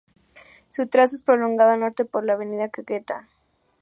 Su trazo es prolongado al norte por la avenida Caquetá.